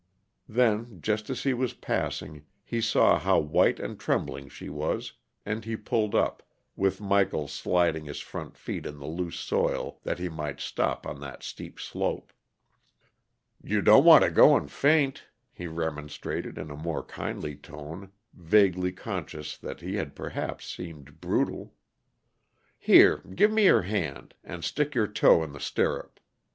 Then, just as he was passing, he saw how white and trembling she was, and he pulled up, with Michael sliding his front feet in the loose soil that he might stop on that steep slope. "You don't want to go and faint," he remonstrated in a more kindly tone, vaguely conscious that he had perhaps seemed brutal. "Here, give me your hand, and stick your toe in the stirrup.